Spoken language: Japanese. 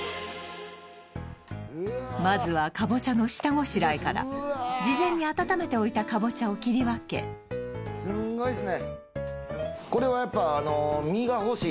まずはかぼちゃの下ごしらえから事前に温めておいたかぼちゃを切り分けすごいっすね